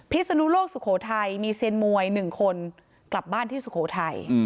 ศนุโลกสุโขทัยมีเซียนมวย๑คนกลับบ้านที่สุโขทัย